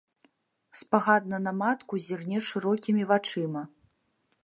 Спагадна на матку зірне шырокімі вачыма.